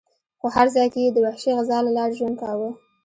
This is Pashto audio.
خو هر ځای کې یې د وحشي غذا له لارې ژوند کاوه.